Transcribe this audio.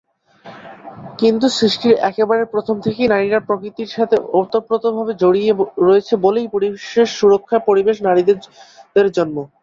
কিন্তু সৃষ্টির একেবারে প্রথম থেকেই নারীরা প্রকৃতির সাথে ওতপ্রোতভাবে জড়িয়ে রয়েছে বলেই পরিবেশ সুরক্ষায় পরিবেশ নারীবাদের জন্ম।